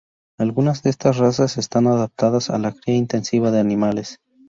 Algunas de estas razas están adaptadas a la cría intensiva de animales.